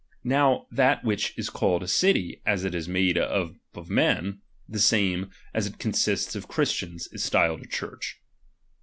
Now that which is called a city, as it is made up of men, the same, as it consists of Chris tians, is styled a Church.